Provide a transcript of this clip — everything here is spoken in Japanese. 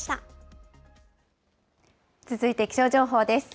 続いて気象情報です。